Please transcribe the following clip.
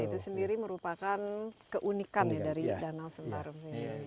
itu sendiri merupakan keunikan dari danau sentarung